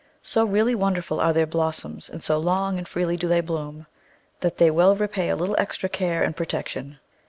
So really wonderful are their blossoms, and so long and freely do they bloom, that they well repay a little extra care and protection.